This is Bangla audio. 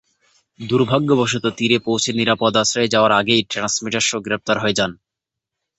দুর্ভাগ্যবশত তীরে পৌছে নিরাপদ আশ্রয়ে যাওয়ার আগেই ট্রান্সমিটার সহ গ্রেপ্তার হয়ে যান।